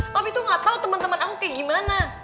tapi tuh gak tau temen temen aku kayak gimana